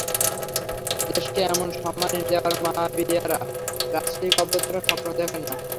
দেশকে এমন সম্মান এনে দেওয়া মাবিয়ারা রাজসিক অভ্যর্থনার স্বপ্ন দেখেন না।